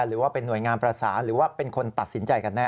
หรือว่าเป็นหน่วยงานประสานหรือว่าเป็นคนตัดสินใจกันแน